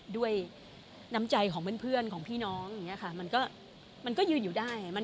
ด้วยน้ำใจของเพื่อนของพี่น้องมันก็ยืนอยู่ได้